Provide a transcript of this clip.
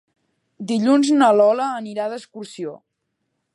Dilluns na Lola anirà d'excursió.